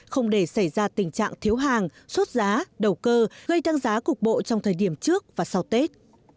không để xảy ra tình trạng thiếu hàng sốt giá đầu cơ gây tăng giá cục bộ trong thời điểm trước và sau tết